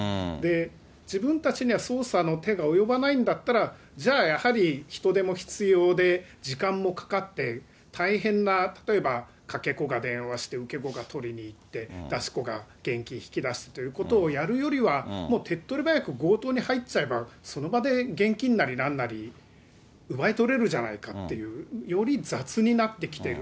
自分たちには捜査の手が及ばないんだったら、じゃあ、やはり人手も必要で、時間もかかって、大変な、例えばかけ子が電話して、受け子が取りにいって、出し子が現金引き出すということもやるよりは、もう手っ取り早く強盗に入っちゃえば、その場で現金なりなんなり、奪い取れるじゃないかっていう、より雑になってきてる。